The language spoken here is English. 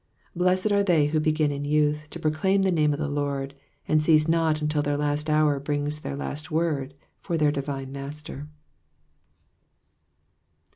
Blessed are they who begin in youth to proclaim the name of the Lord, and cease not until their last hour brings their last word for their divine Master.